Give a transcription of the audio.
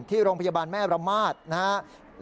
ที่โรงพยาบาลแม่ระมาทนะครับ